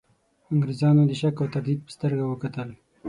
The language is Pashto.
انګرېزانو د شک او تردید په سترګه وکتل.